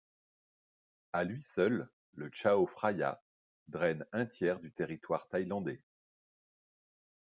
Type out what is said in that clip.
À lui seul, le Chao Phraya draine un tiers du territoire thaïlandais.